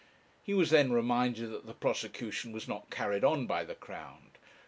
He was then reminded that the prosecution was not carried on by the Crown.